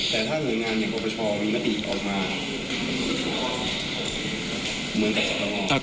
แต่ถ้าหน่วยงานกรปชมันก็ติดออกมาเหมือนกับสตอ่ะ